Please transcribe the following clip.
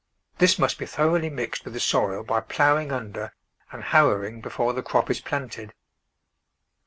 This must be thoroughly mixed with the soil by ploughing under and harrowing before the crop is planted.